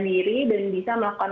diri dan bisa melakukan